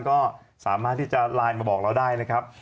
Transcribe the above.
ก็สามารถที่จะไลน์มาบอกเราได้นะครับ